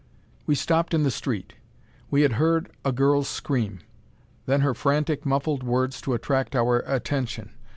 We stopped in the street. We had heard a girl's scream: then her frantic, muffled words to attract our attention.